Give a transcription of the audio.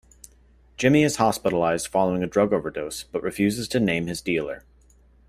Jimmy is hospitalised following a drug overdose, but refuses to name his dealer.